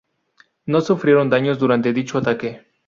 No sufrieron daños durante dicho ataque.